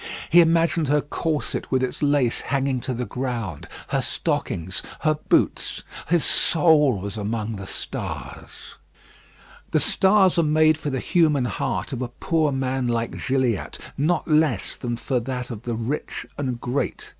He imagined her corset with its lace hanging to the ground, her stockings, her boots. His soul was among the stars. The stars are made for the human heart of a poor man like Gilliatt not less than for that of the rich and great.